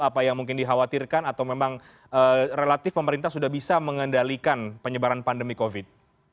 apa yang mungkin dikhawatirkan atau memang relatif pemerintah sudah bisa mengendalikan penyebaran pandemi covid